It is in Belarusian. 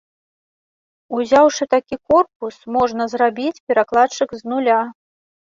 Узяўшы такі корпус, можна зрабіць перакладчык з нуля.